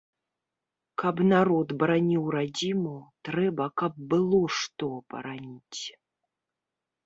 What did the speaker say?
Каб народ бараніў радзіму, трэба, каб было што бараніць.